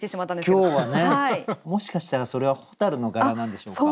今日はねもしかしたらそれは蛍の柄なんでしょうか？